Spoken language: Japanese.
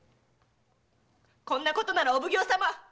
こんなことならお奉行様